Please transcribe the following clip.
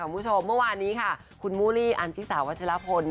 เมื่อวานนี้ค่ะคุณมุรีอันจิสาวัชราพล